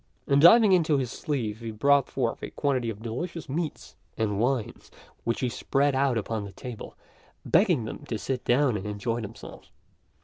And diving into his sleeve he brought forth a quantity of delicious meats and wines which he spread out upon the table, begging them to sit down and enjoy themselves.